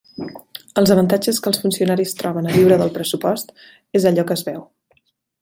Els avantatges que els funcionaris troben a viure del pressupost és allò que es veu.